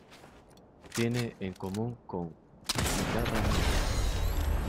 Tienen en común con ¡Guitarra mía!